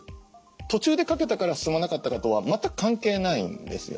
途中で掛けたから進まなかったかとは全く関係ないんですよね。